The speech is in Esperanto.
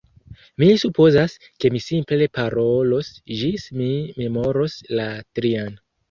Mi supozas, ke mi simple parolos ĝis mi memoros la trian.